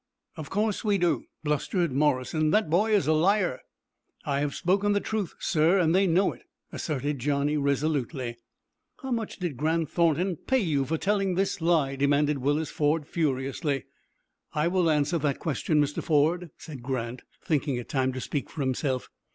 "Of course we do," blustered Morrison. "That boy is a liar!" "I have spoken the truth, sir, and they know it," asserted Johnny, resolutely. "How much did Grant Thornton pay you for telling this lie?" demanded Willis Ford, furiously. "I will answer that question, Mr. Ford," said Grant, thinking it time to speak for himself.